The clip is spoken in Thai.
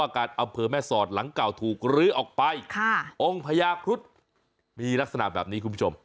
การอำเภอแม่สอดหลังเก่าถูกลื้อออกไปองค์พญาครุฑมีลักษณะแบบนี้คุณผู้ชม